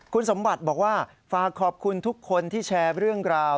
คุณสมบัติบอกว่าฝากขอบคุณทุกคนที่แชร์เรื่องราว